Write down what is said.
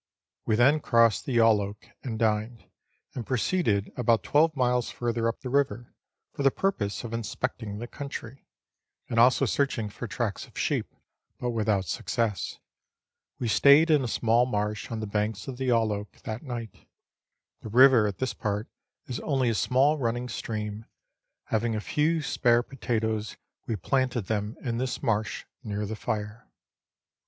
We then crossed the Yalloak and dined, and proceeded about twelve miles further up the river, for the purpose of inspecting the country, and also searching for tracks of sheep, but without success. We stayed in a small marsh on the banks of the Yalloak that night. The river at this part is only a small running stream. Having a few spare potatoes, we planted them in this marsh near the fire.